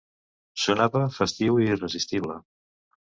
Sonava festiu i irresistible.